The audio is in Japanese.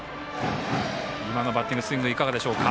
今のバッティングスイングいかがでしょうか？